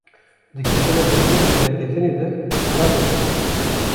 Di Ketina hundir û derketinê de silavê bide